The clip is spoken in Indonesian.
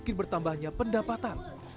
makin bertambahnya pendapatan